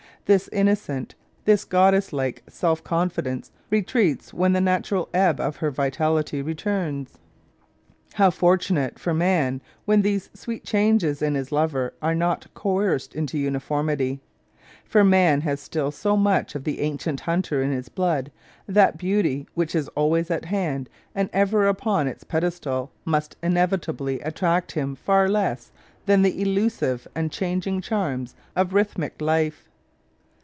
This innocent, this goddess like self confidence retreats when the natural ebb of her vitality returns. How fortunate for man when these sweet changes in his lover are not coerced into uniformity ! For man has still so much of the ancient hunter in his blood that beauty which is always at hand and ever upon its pedestal must inevitably attract him far less than the elusive and changing charms of rhythmic life.